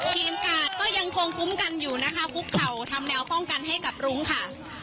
กาดก็ยังคงคุ้มกันอยู่นะคะคุกเข่าทำแนวป้องกันให้กับรุ้งค่ะ